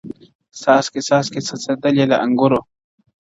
څاڅکي څاڅکي څڅېدلې له انګوره,